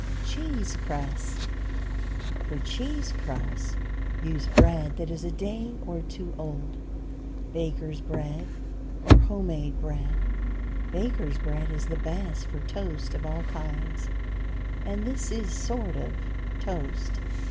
CHEESE CRUSTS. For cheese crusts use bread that is a day or two old, baker's bread or home made bread; baker's bread is the best for toast of all kinds, and this is a sort of toast.